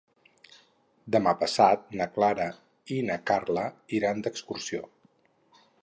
Demà passat na Clara i na Carla iran d'excursió.